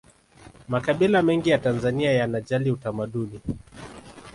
makabila mengi ya tanzania yanajali utamaduni